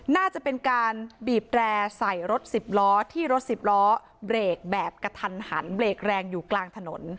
น่าจะเป็นการบีบแร่ใส่รถสิบล้อที่รถสิบล้อเบรกแบบกระทันหันเบรกแรงอยู่กลางถนน